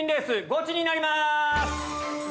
ゴチになります！